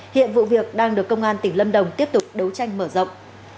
hiện vụ việc đang được công an tỉnh lâm đồng tiếp tục đấu tranh mở rộng